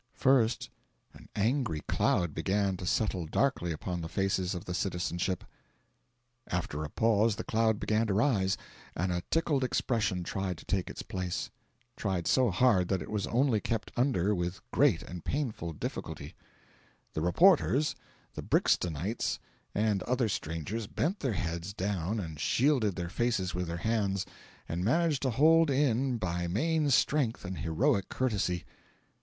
First an angry cloud began to settle darkly upon the faces of the citizenship; after a pause the cloud began to rise, and a tickled expression tried to take its place; tried so hard that it was only kept under with great and painful difficulty; the reporters, the Brixtonites, and other strangers bent their heads down and shielded their faces with their hands, and managed to hold in by main strength and heroic courtesy.